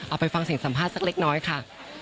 เอาไปฟังเสียงสัมภาษณ์สักเล็กน้อยค่ะ